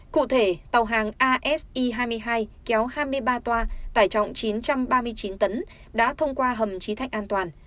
cụ thể tàu hàng asi hai mươi hai kéo hai mươi ba toa tải trọng chín trăm ba mươi chín tấn đã thông qua hầm trí thạnh an toàn